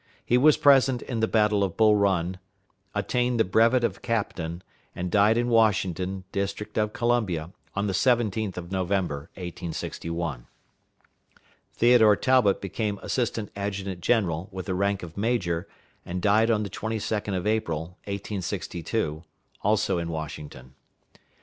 He was present in the battle of Bull Run, attained the brevet of captain, and died in Washington, District of Columbia, on the 17th of November, 1861. Theodore Talbot became assistant adjutant general, with the rank of major, and died on the 22d of April, 1862, also in Washington.